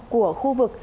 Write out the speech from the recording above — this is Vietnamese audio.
của khu vực